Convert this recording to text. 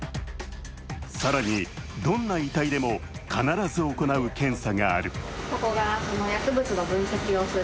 更に、どんな遺体でも必ず行う検査がある。